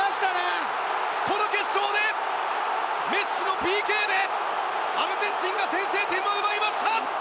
この決勝で、メッシのＰＫでアルゼンチンが先制点を奪いました！